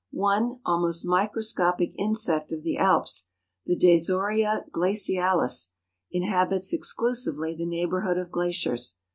One, almost microscopic insect of the Alps, the desoHa glacialis, inhabits exclusively the neighbourhood of glaciers.